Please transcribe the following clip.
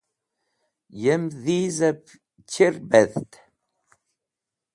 Yem dhizẽb chir beth?